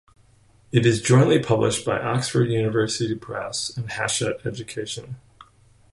It is jointly published by Oxford University Press and Hachette Education.